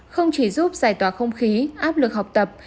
không chỉ giúp giải tỏa không khí áp lực học tập